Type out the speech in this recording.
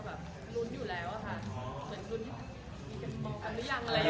รุนรุนอยู่แล้วค่ะเหมือนมีคนมาดูกันเลย